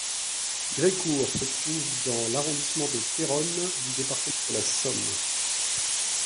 Grécourt se trouve dans l'arrondissement de Péronne du département de la Somme.